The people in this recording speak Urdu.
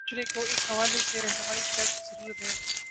معاشرے کو اس حوالے سے راہنمائی کی اشد ضرورت ہے۔